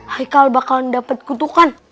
haikal bakalan dapet kutukan